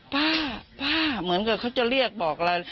ป้าป้าเหมือนกับเขาจะเรียกบอกอะไร